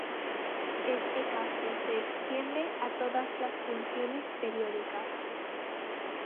Este caso se extiende a todas las funciones periódicas.